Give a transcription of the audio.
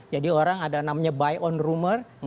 jadi orang ada namanya buy on rumor